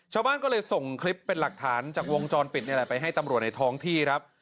ชาวบ้านก็เลยส่งคลิปเป็นหลักฐานจากวงจรปิดนี่แหละไปให้ตำรวจในท้องที่ครับ